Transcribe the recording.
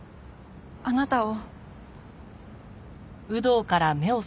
あなたを。